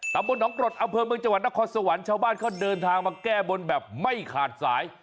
ตำบลหนองกรดอำเภอเมืองจังหวัดนครสวรรค์ชาวบ้านเขาเดินทางมาแก้บนแบบไม่ขาดสาย